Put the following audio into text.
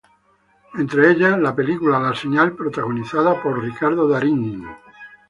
Entre ellas, el film "La señal", protagonizado por Ricardo Darín.